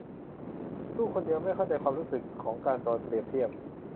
ลูกคนเดียวไม่เข้าใจความรู้สึกของการโดนเปรียบเทียบ